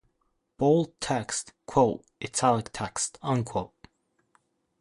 Bold text"Italic text"